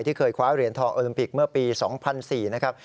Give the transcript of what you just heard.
ที่เคยคว้าเหรียญทองโอลิมปิกเมื่อปี๒๐๐๔นะครับ